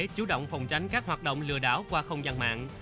chủ động phòng tránh các hoạt động lừa đảo qua không gian mạng